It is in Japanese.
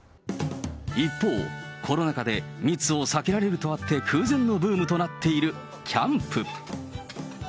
一方、コロナ禍で密を避けられるとあって、空前のブームとなっているキャンプ。